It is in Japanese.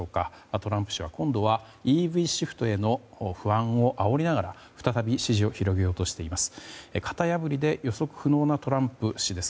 トランプ氏は今度はＥＶシフトへの不安をあおりながら再び支持を広げようとしています。